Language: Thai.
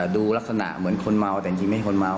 ดูลักษณะเหมือนคนเมาแต่จริงไม่ใช่คนเมา